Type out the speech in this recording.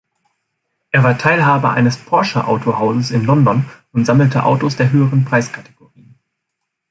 Er war Teilhaber eines Porsche-Autohauses in London und sammelte Autos der höheren Preiskategorien.